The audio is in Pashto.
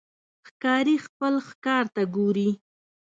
ښکاري خپل ښکار ته ګوري.